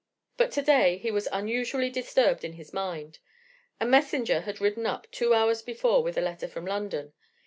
But today he was unusually disturbed in his mind. A messenger had ridden up two hours before with a letter from London.